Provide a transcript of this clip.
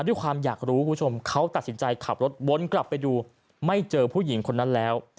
ด้วยความอยากรู้คุณผู้ชมเขาตัดสินใจขับรถวนกลับไปดูไม่เจอผู้หญิงคนนั้นแล้ว